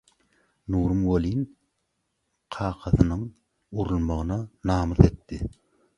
Nurum welin, kakasynyň urulmagyna namys etdi.